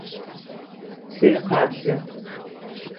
Псыр къабзэ.